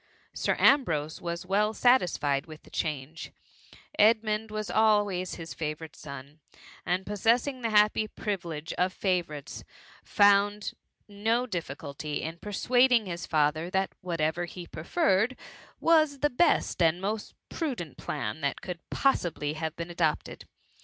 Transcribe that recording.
Sir Ambrose was well satisfied with the change; Edmund was always his favourite son, and pos sessing the happy privilege of favourites, found no difficulty in persuading his father that what* ever he preferred, was the best and most pru dent plan that could possibly have been adopted.